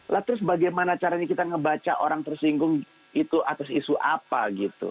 lah terus bagaimana caranya kita ngebaca orang tersinggung itu atas isu apa gitu